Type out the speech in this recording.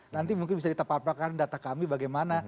nanti mungkin bisa ditepaparkan data kami bagaimana